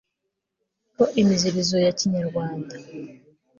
ko imiziririzo ya kinyarwanda